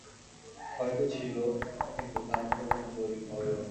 হয়তো ছিল, কিন্তু তার তো কোনো দলিল পাওয়া গেল না।